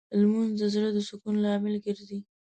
لمونځ د زړه د سکون لامل ګرځي